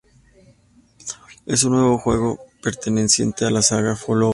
Es un nuevo juego perteneciente a la saga "Fallout".